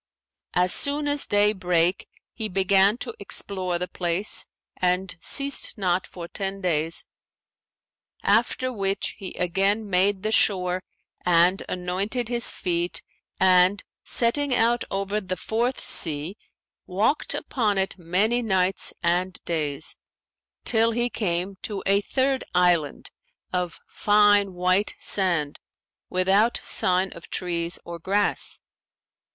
As soon as day brake, he began to explore the place and ceased not for ten days, after which he again made the shore and anointed his feet and, setting out over the Fourth Sea, walked upon it many nights and days, till he came to a third island of fine white sand without sign of trees or grass.